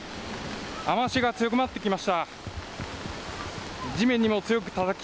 雨足が強くなってきました。